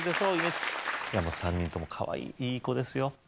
ち３人ともかわいいいい子ですよ